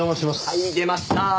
はい出ました！